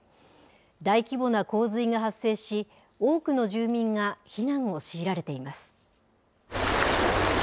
大規模な洪水が発生し、多くの住民が避難を強いられています。